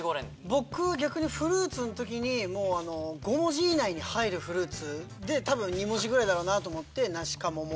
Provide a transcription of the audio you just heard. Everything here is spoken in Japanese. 僕逆に「フルーツ」の時に５文字以内に入るフルーツで２文字ぐらいだろうなと思って。